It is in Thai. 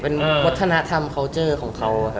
เป็นวัฒนธรรมเคาน์เจอร์ของเขา